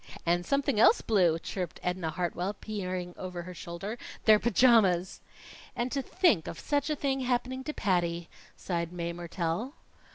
"And something else blue," chirped Edna Hartwell, peering over her shoulder. "They're pajamas!" "And to think of such a thing happening to Patty!" sighed Mae Mertelle.